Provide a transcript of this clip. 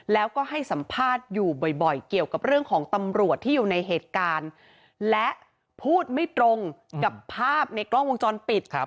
แล้วก็ให้สัมภาษณ์อยู่บ่อยเกี่ยวกับเรื่องของตำรวจที่อยู่ในเหตุการณ์และพูดไม่ตรงกับภาพในกล้องวงจรปิด